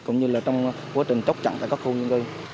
cũng như trong quá trình chốc chặn tại các khu vực